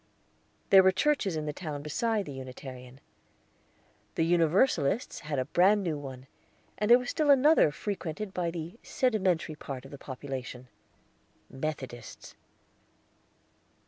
There were churches in the town beside the Unitarian. The Universalists had a bran new one, and there was still another frequented by the sedimentary part of the population Methodists.